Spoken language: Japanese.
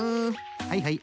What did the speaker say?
はいはい。